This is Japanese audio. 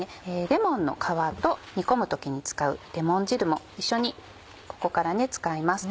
レモンの皮と煮込む時に使うレモン汁も一緒にここから使います。